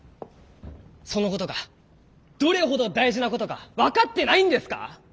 その事がどれほど大事な事か分かってないんですか！？